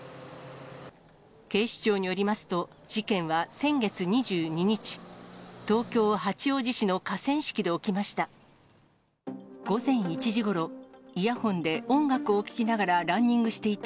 警視庁によりますと、事件は先月２２日、東京・八王子市の河川敷で起きました。